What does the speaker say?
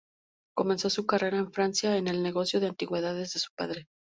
Comenzó su carrera en Francia en el negocio de antigüedades de su padre.